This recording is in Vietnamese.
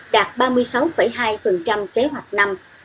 đạt ba mươi sáu hai kế hoạch năm